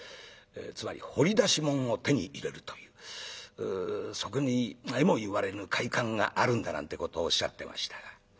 つまり掘り出し物を手に入れるというそこにえも言われぬ快感があるんだなんてことをおっしゃってましたが。